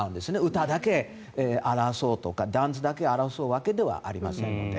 歌だけ争うとかダンスだけ争うわけではありませんので。